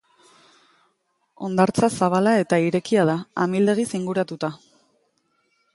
Hondartza zabala eta irekia da, amildegiz inguratuta.